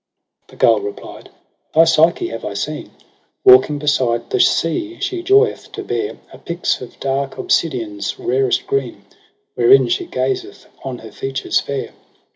' The gull replied ' Thy Psyche have I seen j Walking beside the sea she joy'th to bear A pyx of dark obsidian's rarest green. Wherein she gazeth on her features fair.